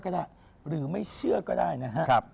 ก็ได้หรือไม่เชื่อก็ได้นะครับ